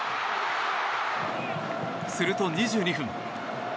すると２２分。